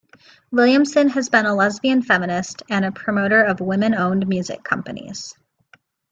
Williamson has been a lesbian feminist and a promoter of women owned music companies.